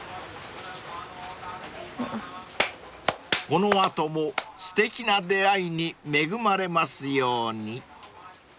［この後もすてきな出会いに恵まれますように］